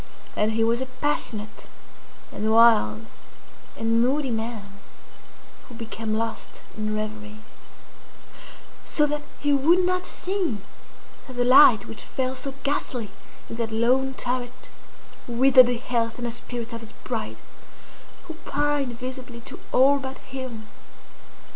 And he was a passionate, and wild, and moody man, who became lost in reveries; so that he would not see that the light which fell so ghastly in that lone turret withered the health and the spirits of his bride, who pined visibly to all but him.